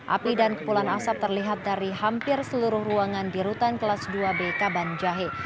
api dan kepulan asap terlihat dari hampir seluruh ruangan di rutan kelas dua b kaban jahe